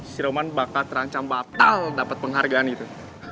si roman bakal terancam batal dapat penghargaan itu